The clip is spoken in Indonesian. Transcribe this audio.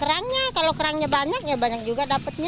kerangnya kalau kerangnya banyak ya banyak juga dapatnya